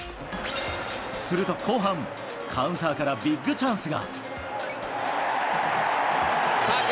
すると後半、カウンターからビッグチャンスが。